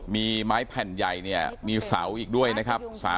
มีไม้แผ่นใหญ่เนี่ยมีเสาอีกด้วยนะครับ